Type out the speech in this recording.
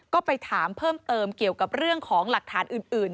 ก็ไปถามเพิ่มเติมเกี่ยวกับเรื่องของหลักฐานอื่น